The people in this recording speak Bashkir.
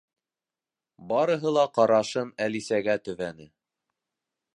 Барыһы ла ҡарашын Әлисәгә төбәне.